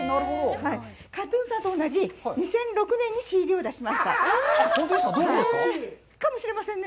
ＫＡＴ−ＴＵＮさんと同じ２００６年にＣＤを出しました。